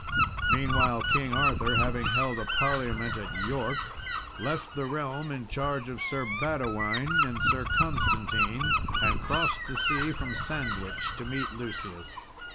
Meanwhile, King Arthur having held a parliament at York, left the realm in charge of Sir Badewine and Sir Constantine, and crossed the sea from Sandwich to meet Lucius.